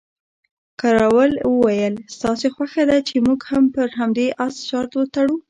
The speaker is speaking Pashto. کراول وویل، ستاسې خوښه ده چې موږ هم پر همدې اس شرط وتړو؟